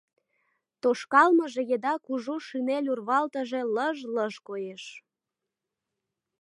Тошкалмыже еда кужу шинель урвалтыже лыж-лыж коеш.